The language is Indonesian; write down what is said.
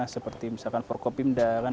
seperti misalkan forkopimda kan